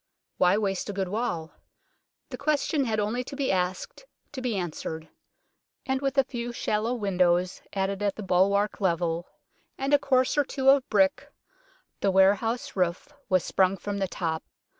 Why waste a good wall ? The question had only to be asked to be answered ; and with a few shallow windows added at the bulwark level and a course or two of brick, the warehouse roof was sprung from the top.